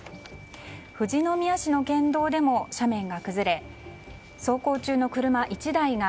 富士宮市の県道でも斜面が崩れ、走行中の車１台が